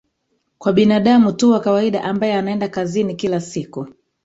kwa binadamu tu wa kawaida ambaye anaenda kazini kila siku